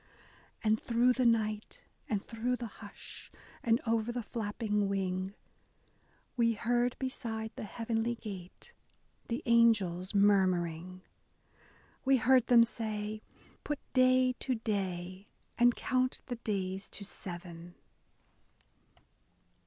And through the night, and through the hush, and over the flapping wing, We heard beside the heavenly gate the angels murmuring :— We heard them say, *' Put day to day, and count the days to seven.